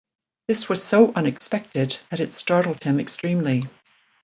This was so unexpected that it startled him extremely.